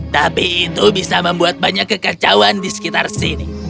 tapi itu bisa membuat banyak kekacauan di sekitar sini